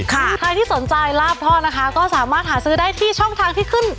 ใครที่สนใจลาบทอดนะคะก็สามารถหาซื้อได้ที่ช่องทางที่ขึ้น